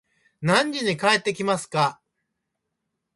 何時に帰ってきますか